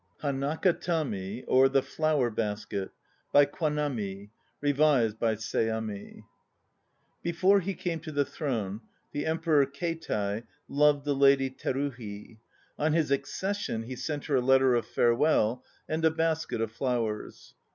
HANAKATAMI (THE FLOWER BASKET) By KWANAMI; REVISED BY SEAMI BEFORE he came to the throne, the Emperor Keitai l loved the Lady Teruhi. On his accession he sent her a letter of farewell and a basket of flowers.